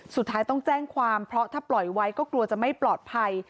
สุดท้ายต้องแจ้งความเพราะถ้าปล่อยไว้ก็กลัวจะไม่ปลอดภัย